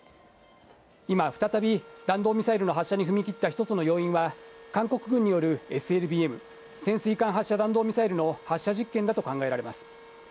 今、再び弾道ミサイルの発射に踏み切った一つの要因は、韓国軍によるＳＬＢＭ・潜水艦発射弾道ミサイルの発射実験だと考えられます。